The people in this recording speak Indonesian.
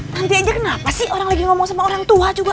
nanti aja kenapa sih orang lagi ngomong sama orang tua juga